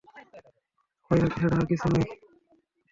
এটা তোমার ইয়ার্কি ছাড়া আর কিছুই নয়।